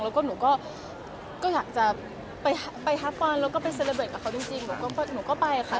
แล้วก็หนูก็อยากจะไปฮาร์บอลแล้วก็ไปเซลเบิดกับเขาจริงหนูก็ไปค่ะ